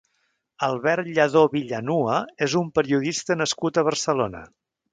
Albert Lladó Villanua és un periodista nascut a Barcelona.